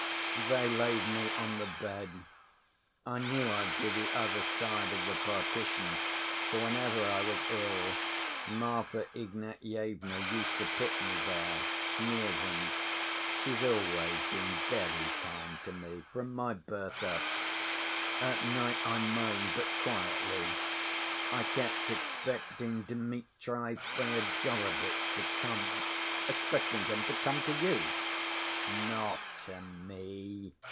"They laid me on the bed. I knew I'd be the other side of the partition, for whenever I was ill, Marfa Ignatyevna used to put me there, near them. She's always been very kind to me, from my birth up. At night I moaned, but quietly. I kept expecting Dmitri Fyodorovitch to come." "Expecting him? To come to you?" "Not to me.